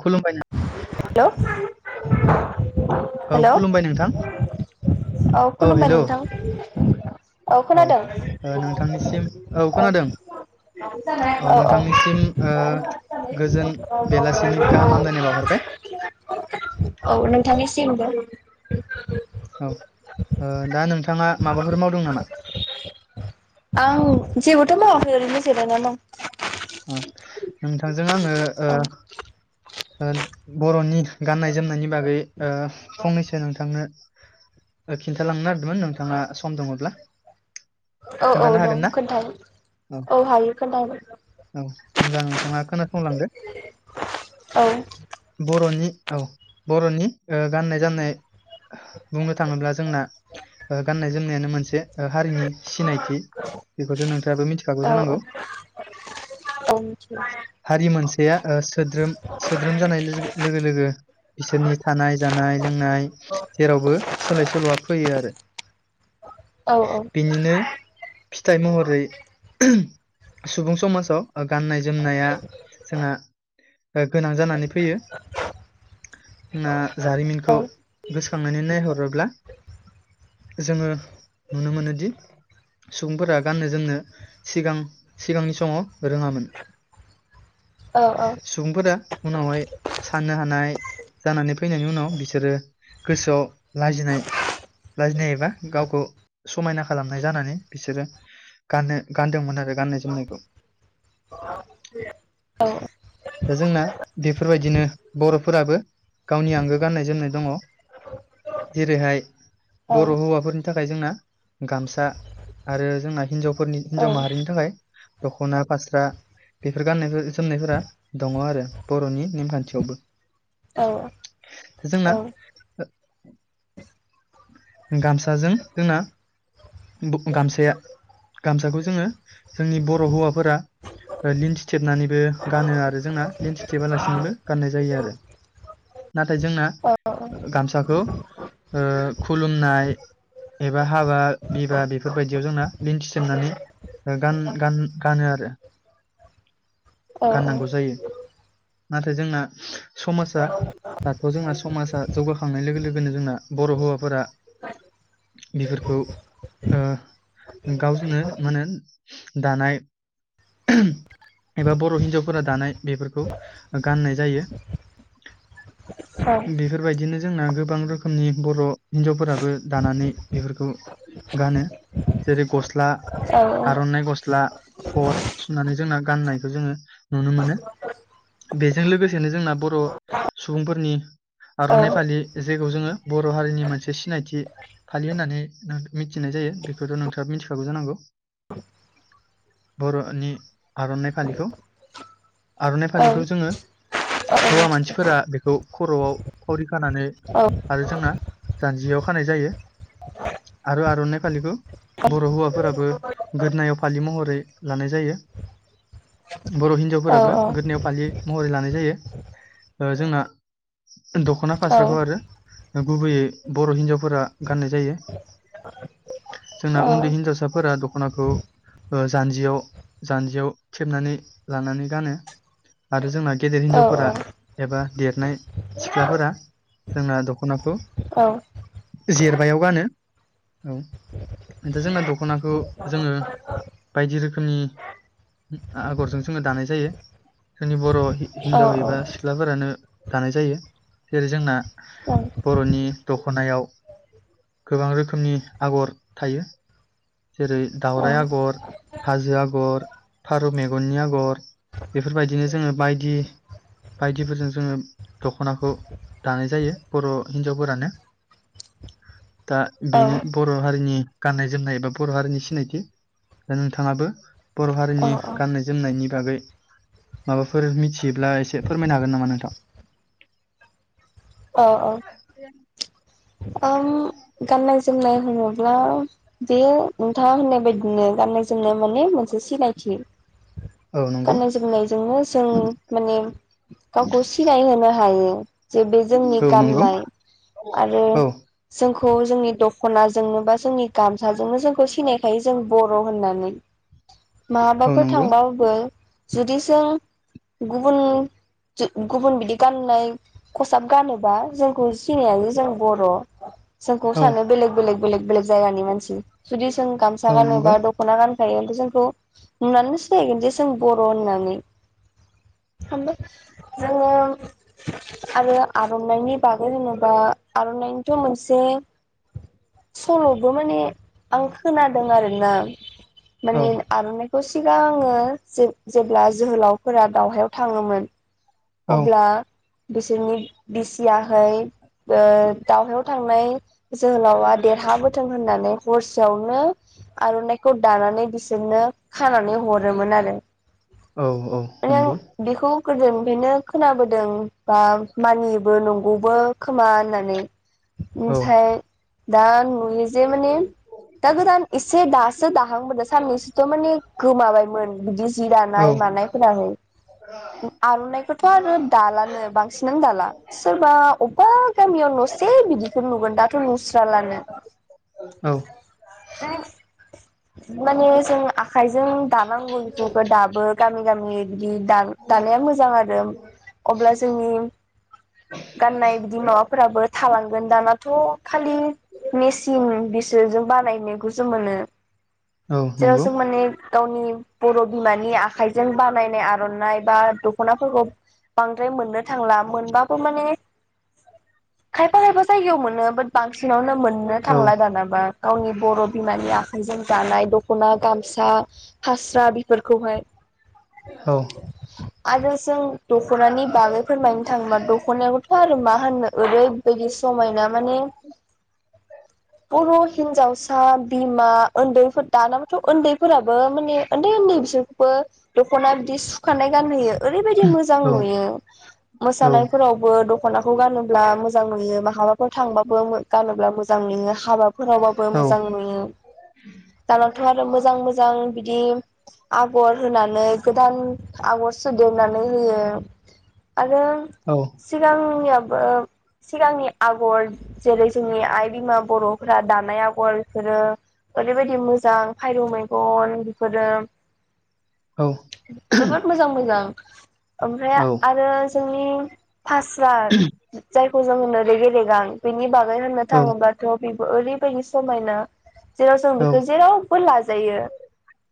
खुलुमबाय हेलौ [unintelligible] औ खुलुमबाय नोंथां औ खुलुमबाय हेलौ नोंथां औ खोनादों औ नोंथांनिसिम औ खोनादों औ नोंथांनिसिम ओ गोजोन बेलासिनि गाहाम हामलायनाय बावहर [unintelligible] औ नोंथांनिसिमबो [inaudible] औ ओ दा नों थाङा माबाफोर मावदों नामा? आं जेबोथ' मावाखै ओरैनो जिरायना दं। अ नोंथां जों आङो ओ ओं ओ बर'नि गाननाय जोमनायनि बागै ओ फंनैसो नोंथांनो खिन्थालांनो नागदोंमोन नोंथाङा सम दङब्ला औ औ खोन्थानो दं हागोन ना खोन्थाय औ हायो खोन्थाहरनो औ होमबा नोंथाङा खोनासंलांदो औ बर'नि औ बर'नि ओ गाननाय जामनाय बुंनो थाङोब्ला जोंना ओ गाननाय जोंनियानो मोनसे ओ हारिनि सिनायथि बेखौथ' नोंथाङाबो मिथिखागौ औ जानांगौ औ मिथियो हारि मोनसेया ओ सोद्रोम सोद्रोम जानाय लोगो लोगो लोगो बिसोरनि थानाय जानाय लोंनाय जेरावबो सोलाय सोल'आ फैयो आरो औ बिनिनो। फिथाइ महरै [unintelligible] सुबुं समाजाव। गाननाय जोमनाया जोंआ गोनां जानानै फैयो जोंना औ जारिमिनखौ गोसोखांनानै नायहरोब्ला। जोङो नुनो मोनोदि सुबुंफोरा गाननो जोमनो सिगां सिगांनि समाव रोङामोन। औ औ। फोरा उनावहाय सान्नो हान नाय जानानै फैनायनि उनाव बिसोरो गोसोआव लाजिनाय लाजिनाय एबा गावखौ समायना खालामनाय जानानै बिसोरो गानो गानदोंमोन आरो गाननाय जोमनायखौ। औ। दा जोंना बेफोरबायदिनो बर'फोराबो गावनि आंगो गाननाय जोमनाय दङ जेरैहाय बर' हौवाफोरनि थाखाय जोंना गामसा आरो जोंना हिनजाव फोरनि हिनजाव माहारिनि थाखाय दख'ना फास्रा बेफोर गाननायफोर जोमनायफोरा दङ आरो बर'नि नेमखान्थियावबो। औ। जोंना ओ गामसाजों जोंना बु गामसाया गामसाखौ जोङो जोंनि बर' हौवाफोरा लिन्थिथेबनानैबो गानो आरो जोंना लन्थिथेबालासिनोबो गाननाय जायो आरो नाथाय जोंना ओ गामसाखौ ओ खुलुमनाय एबा हाबा बिबा बेफोरबायदियाव जोंना लिन्थिथेबनानै गान-गान-गानो आरो। गाननांगौ जायो। नाथाय जोंना समाजा दाथ' जोंना समाजा जौगाखांनाय लोगो लोगोनो जोंना बर' हौवा फोरा बेफोरखौ ओ गावजनो मा होनो दानाय एबा बर' हिनजावफोरा दानाय बेफोरखौ गाननाय जायो। औ बेफोरबायदिनो जोंना गोबां रोखोमनि बर' हिनजावफोराबो दानानै बेफोरखौ गानो जेरै गस्ला आर'नाय गस्ला। क'ट होननानै जोंना गाननायखौ जोङो नुनो मोनो बेजों लोगोसेनो जोंना बर' सुबुंफोरनि आर'नाइ फालि जायखौ जोङो बर' हारिनि मोनसे मोनसे सिनायथि फालि होननानै मिथिनाय जायो बेखौथ' नोंथाङाबो मिथिखागौ जानांगौ बर'नि आर'नाइ फालिखौ। आर'नाइ फालिखौ जोङो हौवा मानसिफोरा बेखौ खर'आव खरि जानानै आरो जोंना जान्जियाव खानाय जायो आरो आर'नाइ फालिखौ बर' हौवाफोराबो गोदनायाव फालि महरै लानाय जायो बर' हिन्जावफोराबो गोदनायाव फालि महरै लानाय जायो जोंना दख'ना फास्राखौ आरो न गुबैयो बर' हिन्जावफोरा गाननाय जायो जोंना उन्दै हिनजावसा फोर दख'नाखौ ओ जानजियाव जान्जियाव थेबनानै लानानै गानो आरो जोंना गेदेर औ हिनजावफोरा एबा देरनाय सिख्लाफोरा जोंना दख'नाखौ औ जेरबायायाव गानो औ दा जोंना दख'नाखौ जोङो बायदि रोखोमनि आगरजों जोङो दानाय जायो जोंनि बर' औ हिन्जाव एबा सिख्लाफोरानो दानाय जायो जेरै जोंना बर'नि दखनायाव गोबां रोखोमनि आगर थायो जेरै दावराइ आगर हाजो आगर फारौ मेगननि आगर बेफोरबायदिनो जोङो बायदि बायदिफोरजों जोङो दख'नाखौ दानाय जायो बर' हिनजावफोरानो [inaudible] [inaudible] दा बेनो बर' हारिनि गाननाय जोमनाय एबा बर' हारिनि सिनायथि दा नोंथाङाबो बर' औ हारिनि गान्नाय जोमनायनि बागै माबाफोर मिथियोब्ला एसे फोरमायनो हागोन नामा नोंथां अ औ [inaudible] [inaudible] आं गाननाय नाय होनोब्ला बे नोंथाङा होननाय बायदिनो गाननाय जोमनाय माने मोनसे सिनायथि औ नंगौ गाननाय जोमनायजोंनो जों माने गावखौ सिनाय होनोनो हायो [inaudible] [inaudible] जे बे जोंनि औ नंगौ गाननाय आरो औ जोंखौ जोंनि दख'नाजोंनो बा जोंनि गामसाजोंनो जोंखौ सिनायखायो जों बर' होननानै औ माबाफोर नंगौ थांबाबो जुदि जों गुबुन गुबुन बिदि गाननाय खसाब गानोबा जोंखौ सिनायानो जों बर' [inaudible] [inaudible] जोंखौ औ सानो बेलेग बेलेग बेलेग बेलेग जायानि मानसि जों गामसा औ नंगौ गानोबा दख'ना गान खायो जोंखौ नुनानै सिनायगोन जे जों बर' होननानै जोङों आरो आरनानि बागै जेनबा आरनाय थ' मोनसे सल'बो माने आं खोनादों आरोना औ माने आरनाय खौ सिगांङो जेब्ला जोहोलावफोरा दावहायाव थाङोमोन औ अब्ला बिसोरनि बिसियाहै ओ दावहायाव थांनाय जोहोलावा देरहाबोथों होननानै हरसेयावनो आर'नाइखौ दानानै बिसोरनो खानानै हरोमोन आरो। औ औ माने आं नंगौ बेखौ गोदोनिफ्रायनो खोनाबोदों बा मानियोबो नंगौबो खोमा होननानै औ ओमफाय दा नु यो जे माने दा गोदान एसे दासो दाहांबोगा साननैसोथ' माने गोमाबायमोन बिदि जि औ दानाय मानायफोराहै आर'नाइखौथ' आरो दालानो बांसिनानो दाला सोरबा अब बा गामियाव एसे बिदिखौ नुगोन दाथ' नुस्रालानो औ माने जों आखाइजों दानांगौ बेफोरखौ दाबो गामि गामि बिदि दानाया मोजां आरो अब्ला जोंनि गाननाय बिदि माबा फोराबो थालांगोन दानाथ' खालि मेचिन बिसोरजों बानायनाइखौसो मोनो। औ नंगौ ज'ज' माने गावनि बर' बिमानि आखाइजों बानायनाय आर'नाइ बा दख'नाफोरखौ बांद्राय मोननो थांला मोनबाबो माने खायफा खायफा जायगायाव मोनो बाट बांसिनावनो मोन नो औ थांला दानाबा गावनि बर' बिमानिया जों दानाय द' खना गामसा फास्रा बेफोरखौहाय ‌ औ आरो जों दख'नानि बागै फोरमायनो थाङोबा दख'नायखौथ' आरो मा होन्नो ओरैबायदि समायना माने बर' हिनजावसा, बिमा, उन्दैफोर दानाबाथ' उन्दैफोराबो माने उन्दै उन्दै बिसोरखौबो दख'ना बिदि सुखानाय गानहोयो ओरैबायदि मोजां औ नुयो मोसानायफोरावबो दख ख'नाखौ गानो ब्ला मोजां नुयो माहाबाफोर थांबाबो गानोब्ला मोजां नुयो। हाबाफोरावबाबो मोजां नुयो दानाथ' आरो मोजां मोजां बिदि आगर होनानै गोदान आगर सुदेरनानै होयो । आरो औ सिगांनिया ब [unintelligible] सिगांनि आगर जेरै जोंनि आइ बिमा बर'फोरा दानाय आगर बेफोरो ओरैबायदि मोजां फरौ मैगन बेफोरो औ जोबोद मोजां मोजां ओमफ्राय आरो जोंनि [unintelligible] जायखौ जोङो [unintelligible] [unintelligible] बेनि बागै [unintelligible] होननो थाङोबाथ ओरैबायदि समायना जेराव जों औ बेखौ जेरावबो ला जायो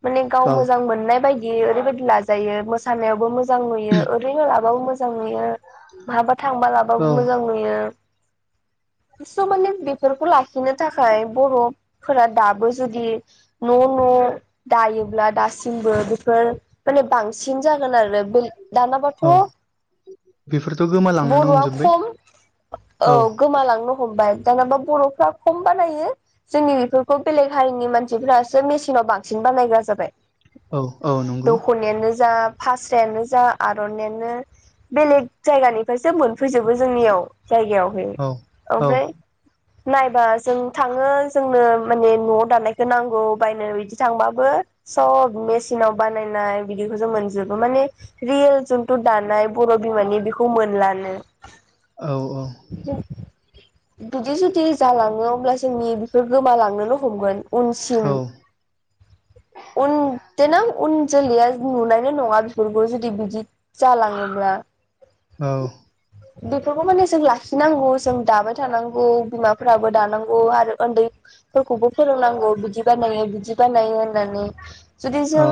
माने गाव मोजां मोननाय बायदि ओरैबायदि लाजायो मोसानायावबो मोजां मोजां नु ओरैनो लाबाबो मोजां [unintelligible] बहाबा थांबा [unintelligible] मोजां नुयो स' माने बेफोरखौ लाखिनो थाखाय बर'फोरा दाबो जुदि न' न' दायोब्ला दासिमबो बेफोर माने बांसिन जागोन आरो दानाबाथ' बेफोरथ' गोमालांनोनो बर'आ हमजोबबाय खम औ गोमालांनो हमबाय दानाबा बर'फ्रा खम बानायो जोंनि बेफोरखौ बेलेग हारिनि मानसिफोरासो मेसिनाव बांसिन बानायग्रा जाबाय। औ औ नंगौ दख'नायानो जा फास्रायानो आरनायानो बेलेग जायगानिफ्राइसो फैजोबो जोंनियाव जायगायाव होयो औ औ ओमफ्राय नायबा जों थाङो जोंनो माने न'आव दानायखौ नांगौ बायनो बिदि थांबाबो सब मेसिनाव बानायनाय बिदिखौ जों मोनजोबो माने रियेल जोंथु दानाय बर' बिमानि बेखौ मोनलानो। औ [unintelligible] बिदि जुदि जालाङो अब्ला जोंनि बेफोर गोमालांनोनो हमगोन। उनसिम औ उन देनां उन जोलैया नुनायनो नङा बेफोरखौ जुदि बिदि जालाङोब्ला औ बिफोरखौ माने जों लाखि लाखिनांगौ जों दाबाय थानांगौ बिमाफोराबो दानांगौ आरो उन्दैफोरखौबो फोरोंनांगौ बिदि बानायो बिदि बानायो होननानै जुदि जों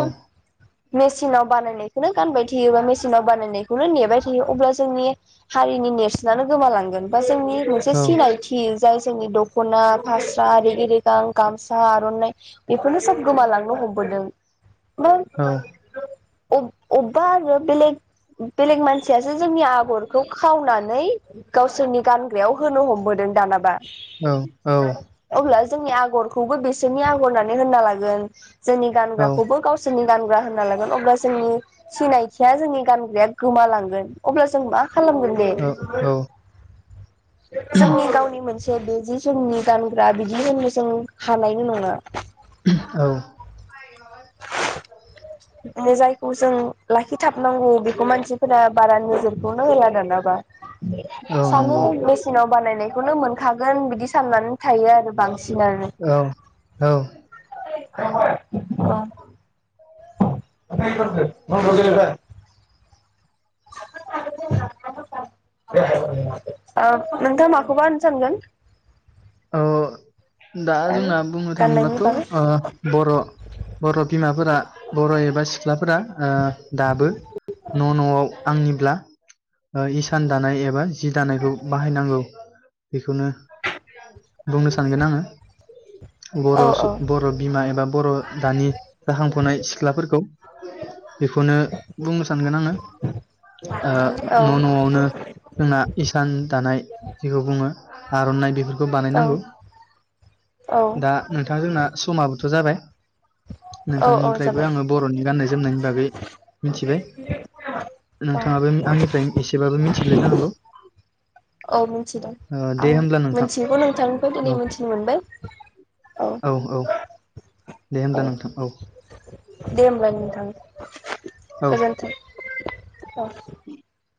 मेसिनाव बानायनायखौनो गानबाय थायो बा मेसिनाव बानायनायखौनो नेबाय थायो अब्ला जोंनि हारिनि नेरसोनानो गोमोलांगोन बा जोंनि बे मोनसे सिनायथि। जाय जोंनि दखना फास्रा रेगि रेगां गामसा आर'नाइ बेफोरनो सोब गोमालांनो हमबोदों औ अब-अबेबा आरो बेलेग बेलेग मानसियासो जोंनि आगरखौ खावनानै गावसोरनि गानग्रायाव होनो हमबोदों दानाबा औ औ अब्ला जोंनि आगरखौबो बिसोरनि आगर होननानै होनना लागोन। जोंनि गानग्राखौबो गावसोरनि गानग्रा होनना लागोन अब्ला जोंनि सिनायथिया जोंनि गानग्राया गोमालांगोन अब्ला जों मा खालामगोन दे? औ औ जोंनि गावनि मोनसे बे जि जोंनि गानग्रा बिदि होननो जों हानाय नङा। औ जायखौ जों लाखिथाबनांगौ बेखौ मानसिफोरा बारा नोजोरखौ होला दानाबा औ सानो नंगौ मेसिनाव बानायनाय बेखौनो मोनखागोन बिदि साननानै थायो आरो। बांसिन आरो औ औ [unintelligible] ओ नोंथां माखौबा होननो सानगोन? औ दा आरो जोंना बुंनो गाननायनि थाङोब्लाथ' बागै ओ बर' बर' बिमाफोरा बर' एबा सिख सिख्लाफोरा ओ दाबो न' न'आव आंनिब्ला इसान दानाय एबा जि दानायखौ बाहायनांगौ। बेखौनो बुंनो सानगोन आङो। बर' औ सु औ बर' बिमा एबा बर' दानि जाखांफुनाय सिख्लाफोरखौ [unintelligible] बेखौनो बुंनो सानगोन आङो ओ औ न' न'आवनो जोंना इसान दानाय जिखौ बुङो आर'नाइ बिफोर खौ औ बानायनांगौ औ दा नोंथां जोंना समा थ जाबाय औ औ नोंथांनिफ्रायबो जाबाय आङो बर'नि गाननाय जोमनायनि बागै मिथिबाय। नोंथाङाबो आंनिफ्राय एसेबाबो मिथिबाय जानांगौ? ओ दे होब्ला नोंथां। नोंथांनिखौ दिनै औ मिथिनो मोनबाय औ दे होमब्ला नोंथां औ। दे होमब्ला नोंथां औ गोजोनथों। औ [inaudible]